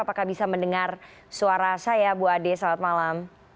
apakah bisa mendengar suara saya bu ade selamat malam